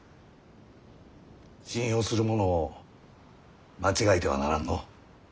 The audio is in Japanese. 信用する者を間違えてはならんのう。